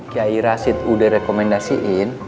kiai rasid udah rekomendasiin